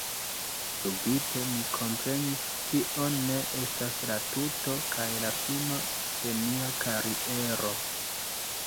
Subite mi komprenis “Tio ne estas la tuto kaj la fino de mia kariero””.